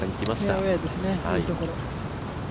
フェアウエーですねいいところ。